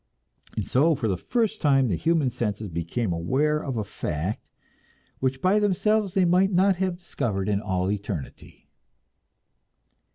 And so for the first time the human senses became aware of a fact, which by themselves they might not have discovered in all eternity.